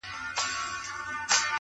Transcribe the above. چي مي سترګي د یار و وینم پیالو کي ,